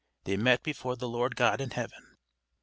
They met before the Lord God in heaven.